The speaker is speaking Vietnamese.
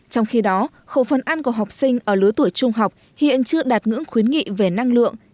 trong khi đó khẩu phân ăn của học sinh ở lứa tuổi trung học hiện chưa đạt ngưỡng khuyến nghị về năng lượng